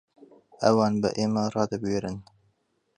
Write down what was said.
ئەوان بە ئێمە ڕادەبوێرن؟